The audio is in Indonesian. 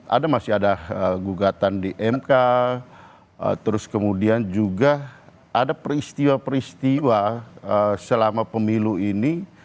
ada masih ada gugatan di mk terus kemudian juga ada peristiwa peristiwa selama pemilu ini